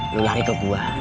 lu lari ke gua